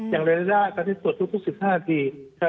อย่างเราจะได้ตรวจทุก๑๕นาที